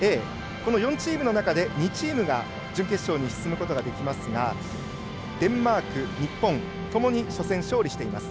この４チームの中で２チームが準決勝に進むことができますがデンマーク、日本ともに初戦勝利しています。